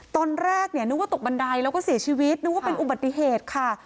ตอนแรกเนี่ยนึกว่าตกบันไดแล้วก็เสียชีวิตนึกว่าเป็นอุบัติเหตุค่ะ